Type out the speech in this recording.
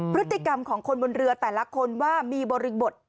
พฤติกรรมของคนบนเรือแต่ละคนว่ามีบริบท